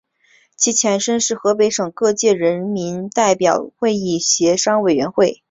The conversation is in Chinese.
其前身是河北省各界人民代表会议协商委员会。